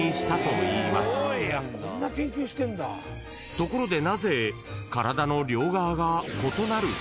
［ところで］